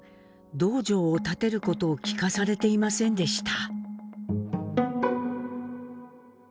洞場を建てることを聞かされていませんでした。